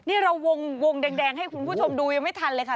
นี่เราวงแดงให้คุณผู้ชมดูยังไม่ทันเลยค่ะ